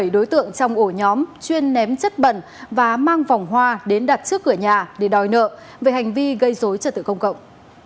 bảy đối tượng trong ổ nhóm chuyên ném chất bẩn và mang vòng hoa đến đặt trước cửa nhà để đòi nợ về hành vi gây dối trật tự công cộng